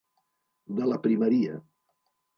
De la primeria.